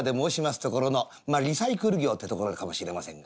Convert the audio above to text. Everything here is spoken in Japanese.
ところのリサイクル業ってところかもしれませんが。